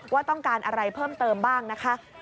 ว่าต้องการอะไรเพิ่มเติมบ้างนะคะ